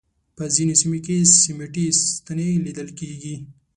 په ځینو سیمو کې سیمټي ستنې لیدل کېږي.